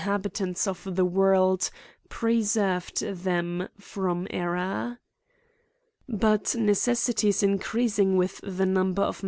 habitants of the world preserved them from error. But necessities increasing with the number of .